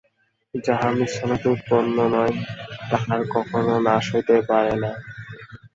যাহা মিশ্রণ হইতে উৎপন্ন নয়, তাহার কখনও নাশ হইতে পারে না।